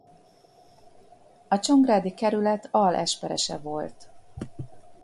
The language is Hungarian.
A csongrádi kerület alesperese volt.